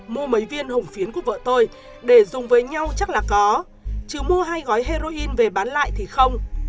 mua mấy viên hồng phiến của vợ tôi để dùng với nhau chắc là có trừ mua hai gói heroin về bán lại thì không